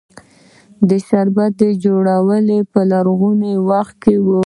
د شرابو جوړول په لرغوني وخت کې وو